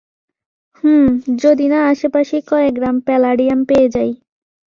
হুম, যদি না আশেপাশেই কয়েক গ্রাম প্যালাডিয়াম পেয়ে যাই।